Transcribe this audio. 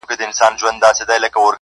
سره غرمه وه لار اوږده بټي بیابان وو!.